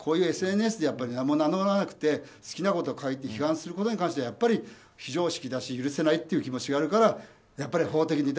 ただＳＮＳでやっぱり名も名乗らなくて好きなことを書いて批判することに関しては非常識だし許せないという気持ちがあるからやっぱり法的に。